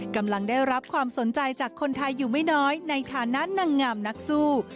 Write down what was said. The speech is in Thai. กำลังได้รับความสนใจจากคนไทยอยู่ไม่น้อยในฐานะนางงามนักสู้